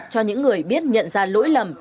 cho những người biết nhận ra lỗi lầm